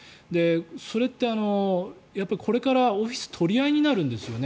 それって、これからオフィス取り合いになるんですよね。